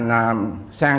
tiến hành sang